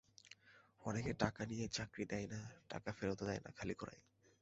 অনেকে টাকা নিয়ে চাকরি দেয় না, টাকা ফেরতও দেয় না, খালি ঘোরায়।